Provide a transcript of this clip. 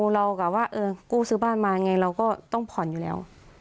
เรากับว่ากู้ซื้อบ้านมาไงเราก็ต้องผ่อนอยู่แล้ว